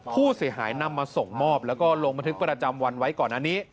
ผู้เสียหายนำมาส่งมอบแล้วก็ลงบันทึกประจำวันไว้ก่อนอันนี้